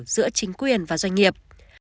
giữa chính quyền và doanh nghiệp